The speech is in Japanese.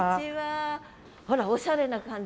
あらおしゃれな感じ。